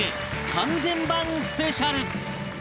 完全版スペシャル